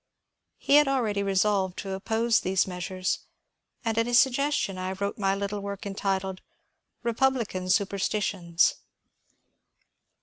He had already resolved to oppose those measures, and at his suggestion I wrote my little work entitled ^* Republican Superstitions."